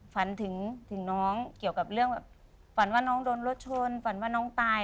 ฝันถึงน้องเกี่ยวกับเรื่องแบบฝันว่าน้องโดนรถชนฝันว่าน้องตาย